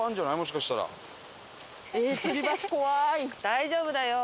大丈夫だよ。